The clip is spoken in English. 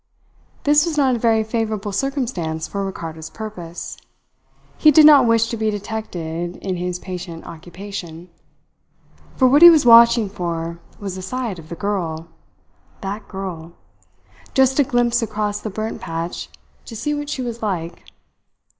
This was not a very favourable circumstance for Ricardo's purpose. He did not wish to be detected in his patient occupation. For what he was watching for was a sight of the girl that girl! just a glimpse across the burnt patch to see what she was like.